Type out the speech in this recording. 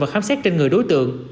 và khám xét trên người đối tượng